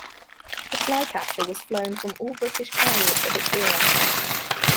The Flycatcher was flown from all British carriers of its era.